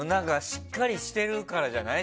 しっかりしてるからじゃない？